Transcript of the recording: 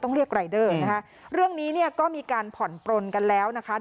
เรียกรายเดอร์นะคะเรื่องนี้เนี่ยก็มีการผ่อนปลนกันแล้วนะคะ